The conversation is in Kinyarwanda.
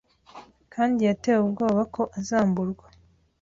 kandi yatewe ubwoba ko azamburwa.